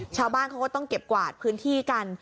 ชาวบ้านเขาก็ต้องเก็บกวาดพื้นที่กัน